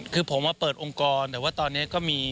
คือผมมาเปิดองค์กรแต่ว่าตอนนี้ก็มี